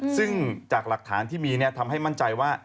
ซึ่งจากหลักฐานที่มีทำให้มั่นใจว่า